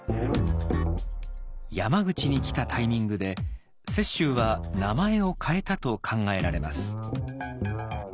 山口に来たタイミングで雪舟は名前を変えたと考えられます。